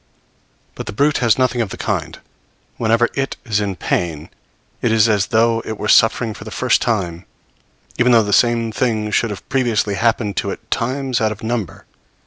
But the brute has nothing of the kind; whenever it is in pain, it is as though it were suffering for the first time, even though the same thing should have previously happened to it times out of number.